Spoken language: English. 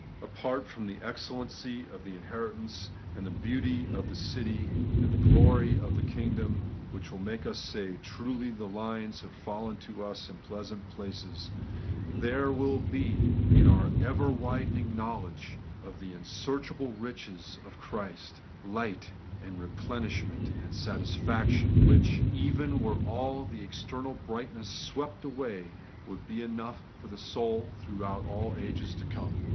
Apart from the excellency of the inheritance, and the beauty of the city, and the glory of the kingdom, which will make us say, 'Truly the lines have fallen unto us in pleasant places,' there will be, in our ever widening knowledge of 'the unsearchable riches of Christ,* light and replenishment and satisfaction, which, even were all external brightnesses swept away, would be enough for the soul throughout all the ages to come.